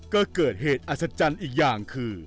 ก็เกิดเหตุอัศจรรย์อีกอย่างคือ